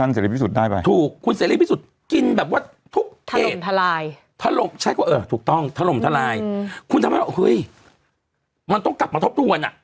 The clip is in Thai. จนกินแบบว่าทุกเกตทะลมทะลายใช้ว่าเออถูกต้องทะลมทะลายคุณธรรมนัสเฮ้ยมันต้องกลับมาทบทวนอ่ะ